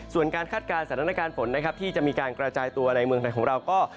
ส่วนการคาดการณ์สถานการณ์ฝนนะครับที่จะมีการกระจายตัวในเมืองไทยของเราก็